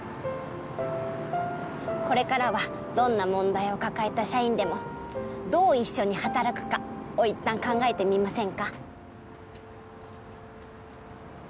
これからはどんな問題を抱えた社員でもどう一緒に働くかをいったん考えてみませんか？